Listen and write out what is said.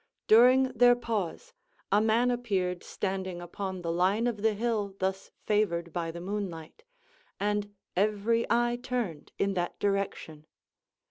During their pause, a man appeared standing upon the line of the hill thus favored by the moonlight, and every eye turned in that direction.